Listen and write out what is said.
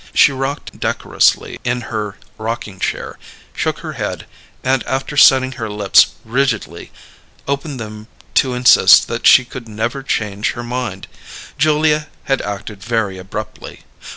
She rocked decorously in her rocking chair, shook her head, and after setting her lips rigidly, opened them to insist that she could never change her mind: Julia had acted very abruptly.